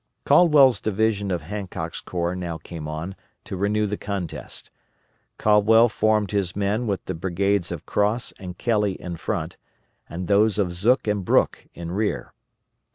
Caldwell's division of Hancock's corps now came on to renew the contest. Caldwell formed his men with the brigades of Cross and Kelly in front, and those of Zook and Brooke in rear.